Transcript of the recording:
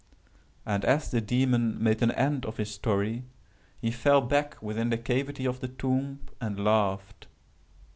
And as the Demon made an end of his story, he fell back within the cavity of the tomb and laughed.